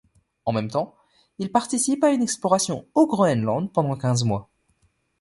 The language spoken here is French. En même temps, il participe à une exploration au Groenland pendant quinze mois.